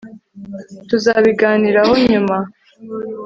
tuzabiganiraho nyuma